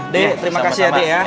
dik terima kasih ya dik